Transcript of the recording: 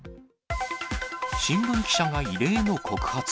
新聞記者が異例の告発。